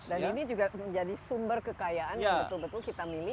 dan ini juga menjadi sumber kekayaan yang betul betul kita miliki